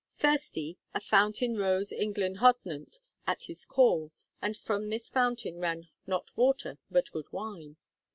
Thirsty, a fountain rose in Glyn Hodnant at his call, and from this fountain ran not water but good wine.